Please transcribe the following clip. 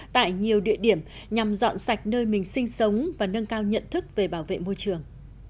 tại nhiều địa điểm nhằm dọn sạch nơi mình sinh sống và nâng cao nhận thức về bảo vệ môi trường